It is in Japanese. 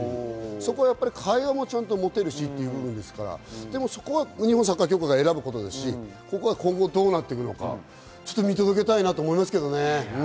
そこは会話も持てるしという部分ですから、そこは日本サッカー協会が選ぶことですし、今後どうなっていくのか見届けたいなと思いますけどね。